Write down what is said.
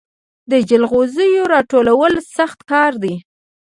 د جلغوزیو راټولول سخت کار دی